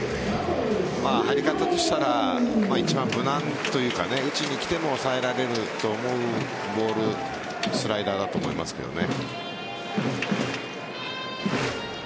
入り方としては一番無難というか打ちにきても抑えられると思うボールスライダーだと思いますけどね。